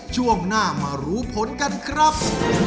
ช่วงหน้ามารู้ผลกันครับ